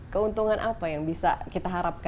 keuntungan apa yang bisa kita harapkan